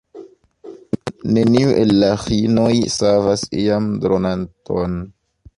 Neniu el la ĥinoj savas iam dronanton.